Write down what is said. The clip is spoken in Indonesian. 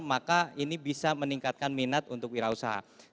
maka ini bisa meningkatkan minat untuk wirausaha